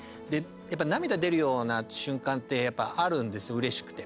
涙出るような瞬間って、やっぱあるんですよ、うれしくて。